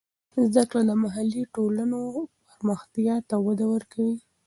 زده کړه د محلي ټولنو پرمختیا ته وده ورکوي.